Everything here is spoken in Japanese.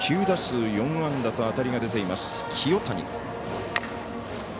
９打数４安打と当たりが出ています、清谷。